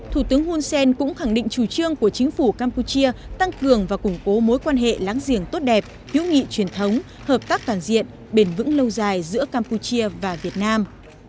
thủ tướng hun sen cũng khẳng định chủ trương của chính phủ campuchia tăng cường và củng cố mối quan hệ láng giềng tốt đẹp hữu nghị truyền thống hợp tác toàn diện bền vững lâu dài giữa campuchia và việt nam